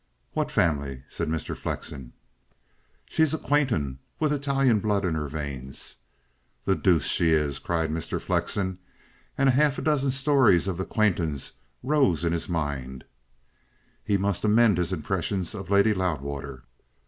"What family?" said Mr. Flexen. "She's a Quainton, with Italian blood in her veins." "The deuce she is!" cried Mr. Flexen, and half a dozen stories of the Quaintons rose in his mind. He must amend his impressions of Lady Loudwater.